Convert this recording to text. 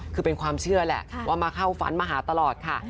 คือเป็นความเชื่อแหละว่ามาเข้าฝันมาหาตลอดค่ะ